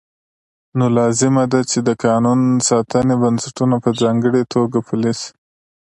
نو لازمه ده چې د قانون ساتنې بنسټونه په ځانګړې توګه پولیس